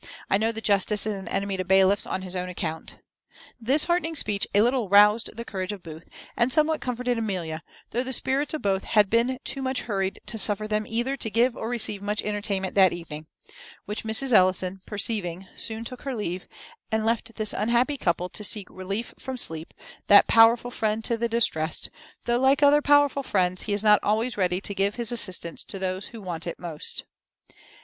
I know the justice is an enemy to bailiffs on his own account." This heartening speech a little roused the courage of Booth, and somewhat comforted Amelia, though the spirits of both had been too much hurried to suffer them either to give or receive much entertainment that evening; which Mrs. Ellison perceiving soon took her leave, and left this unhappy couple to seek relief from sleep, that powerful friend to the distrest, though, like other powerful friends, he is not always ready to give his assistance to those who want it most.